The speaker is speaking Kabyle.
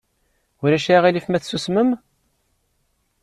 Ulac aɣilif ma tsusmem?